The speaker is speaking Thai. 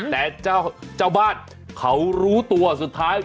แต่เจ้าบ้านเขารู้ตัวสุดท้าย